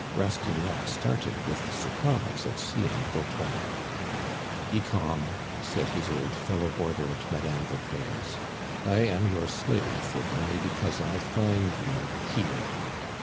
Rastignac started with surprise at seeing Vautrin. "Be calm," said his old fellow boarder at Madame Vauquer's. "I am your slave, if only because I find you here.